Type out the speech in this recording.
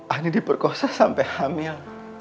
ani diperkosa sampe hamil